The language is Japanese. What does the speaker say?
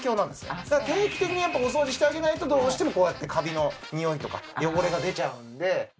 定期的にお掃除してあげないとどうしてもこうやってカビのにおいとか汚れが出ちゃうんで。